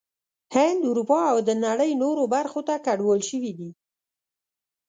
هند، اروپا او د نړۍ نورو برخو ته کډوال شوي دي